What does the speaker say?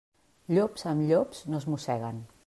Llops amb llops no es mosseguen.